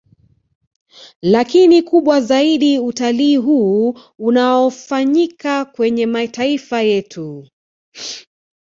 Lakini kubwa zaidi utalii huu unaofanyika kwenye mataifa yetu